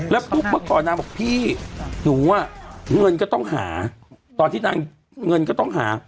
แล้วปุ๊บเมื่อก่อนนางบอกพี่หนูอ่ะเงินก็ต้องหาตอนที่นางเงินก็ต้องหา